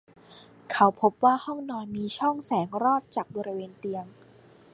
เขาพบว่าห้องนอนมีช่องแสงลอดจากบริเวณเตียง